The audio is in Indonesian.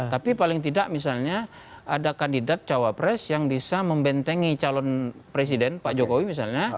tapi paling tidak misalnya ada kandidat cawapres yang bisa membentengi calon presiden pak jokowi misalnya